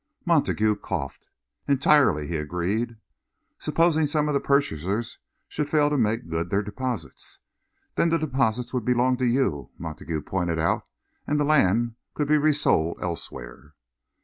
Montague coughed. "Entirely," he agreed. "Supposing some of the purchasers should fail to make good their deposits?" "Then the deposit would belong to you," Montague pointed out, "and the land could be resold elsewhere."